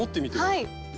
はい。